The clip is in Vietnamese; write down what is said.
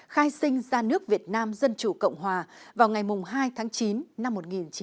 khai sinh ra nước việt nam dân chủ cộng hòa vào ngày hai tháng chín năm một nghìn chín trăm bảy mươi năm